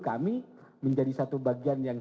kami menjadi satu bagian yang